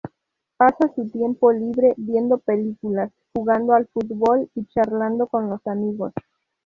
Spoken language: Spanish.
Pasa su tiempo libre viendo películas, jugando al fútbol y charlando con los amigos.